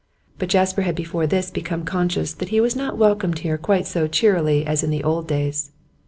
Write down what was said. But Jasper had before this become conscious that he was not welcomed here quite so cheerily as in the old days.